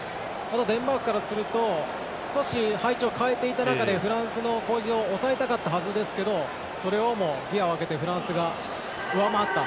デンマークからすると少し配置を変えていた中でフランスの攻撃を抑えたかったはずですけどそれをもギヤを上げてフランスが上回った。